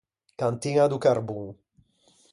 Cantiña do carbon.